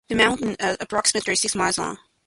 The mountains are approximately six miles long.